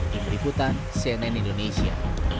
di berikutan cnn indonesia